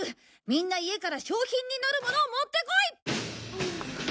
みんな家から賞品になるものを持ってこい！